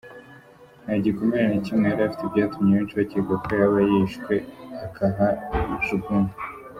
Nta gikomere na kimwe yari afite byatumye benshi bakeka ko yaba yishwe akahajugunywa.